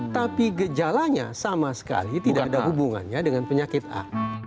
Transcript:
tapi gejalanya sama sekali tidak ada hubungannya dengan penyakit a